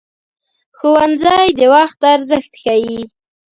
ښوونځی د وخت ارزښت ښيي